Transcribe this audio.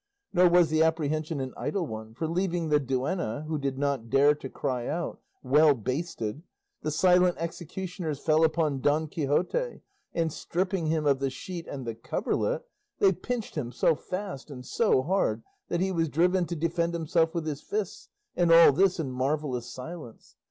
Nor was the apprehension an idle one; one; for leaving the duenna (who did not dare to cry out) well basted, the silent executioners fell upon Don Quixote, and stripping him of the sheet and the coverlet, they pinched him so fast and so hard that he was driven to defend himself with his fists, and all this in marvellous silence.